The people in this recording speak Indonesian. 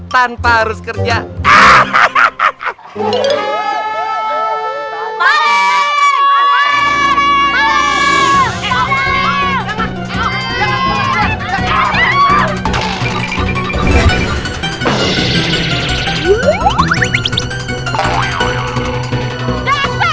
tanpa harus kerja hahaha